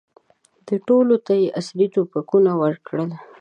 او ټولو ته یې عصري توپکونه ورکړل.